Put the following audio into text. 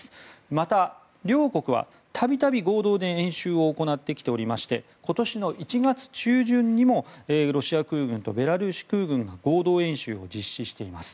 また両国は度々、合同で演習を行ってきておりまして今年の１月中旬にもロシア空軍とベラルーシ空軍が合同演習を実施しています。